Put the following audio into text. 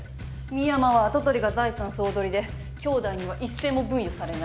深山は跡取りが財産総取りできょうだいには一銭も分与されない。